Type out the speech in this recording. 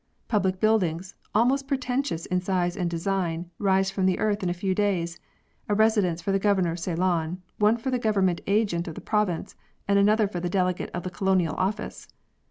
Public buildings, almost pretentious in size and design, rise from the earth in a few days a residence for the Governor of Ceylon; one for the Government agent of the province ; and another for the delegate of the Colonial Office.